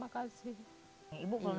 kadang ibu kayak begini